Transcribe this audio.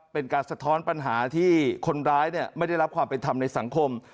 เป็นการสะท้อนปัญหาที่คนร้ายไม่ได้รับความเป็นธรรมในสังคม